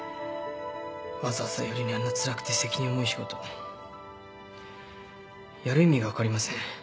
わざわざ夜にあんなつらくて責任重い仕事やる意味が分かりません。